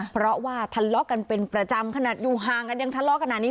เพราะว่าทะเลาะกันเป็นประจำขนาดอยู่ห่างกันยังทะเลาะขนาดนี้